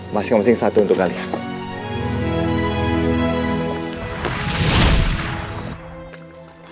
masing masing satu untuk kalian